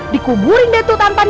dikuburin deh tuh tanpa nizam